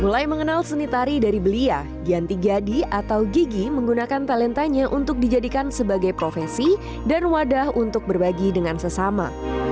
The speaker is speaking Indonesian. mulai mengenal seni tari dari belia gianti giyadi atau gigi menggunakan talentanya untuk dijadikan sebagai profesi dan wadah untuk berbagi dengan sesama